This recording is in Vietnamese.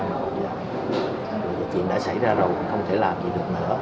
bây giờ chuyện đã xảy ra rồi không thể làm gì được nữa